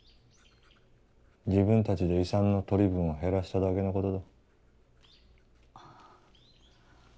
自分たちで遺産の取り分を減らしただけのことだ。